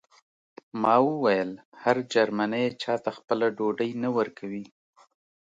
ما وویل هر جرمنی چاته خپله ډوډۍ نه ورکوي